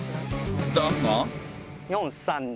だが